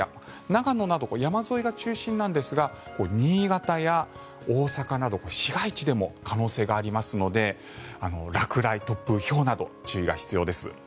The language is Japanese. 長野など山沿いが中心ですが新潟や大阪など市街地でも可能性がありますので落雷、突風、ひょうなど注意が必要です。